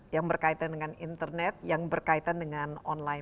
yang berkaitan dengan internet yang berkaitan dengan online